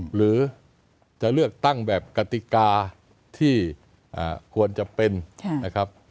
หรือจะเลือกตั้งแบบกติกาที่ควรจะเป็นนะครับ